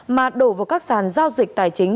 mà đổ vào các sàn giao dịch tài chính